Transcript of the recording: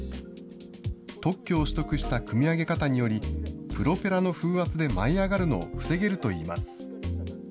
特許を取得した組み上げ方により、プロペラの風圧で舞い上がるのを防げるといいます。